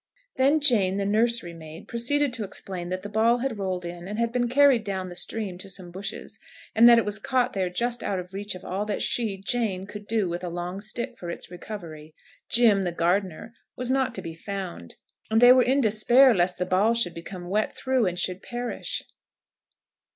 Then Jane, the nursery maid, proceeded to explain that the ball had rolled in and had been carried down the stream to some bushes, and that it was caught there just out of reach of all that she, Jane, could do with a long stick for its recovery. Jim, the gardener, was not to be found; and they were in despair lest the ball should become wet through and should perish.